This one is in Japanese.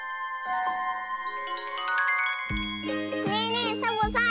ねえねえサボさん